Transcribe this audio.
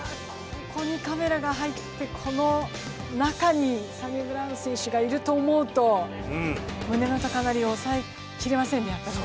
ここにカメラが入って、この中にサニブラウン選手がいると思うと胸の高鳴りを抑えきれませんね。